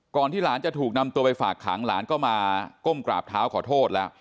ที่หลานจะถูกนำตัวไปฝากขังหลานก็มาก้มกราบเท้าขอโทษแล้ว